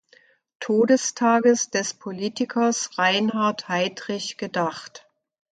Todestages des „Politikers Reinhard Heydrich“ gedacht.